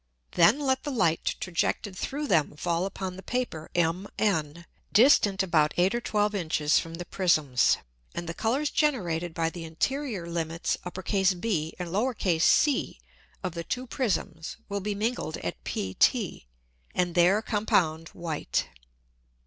Then let the Light trajected through them fall upon the Paper MN, distant about 8 or 12 Inches from the Prisms. And the Colours generated by the interior Limits B and c of the two Prisms, will be mingled at PT, and there compound white.